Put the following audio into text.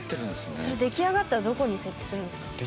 それ出来上がったらどこに設置するんですか？